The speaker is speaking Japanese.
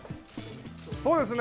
そうですね。